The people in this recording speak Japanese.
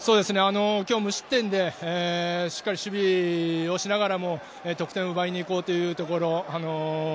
今日、無失点でしっかり守備をしながらも得点を奪いにいこうというところ。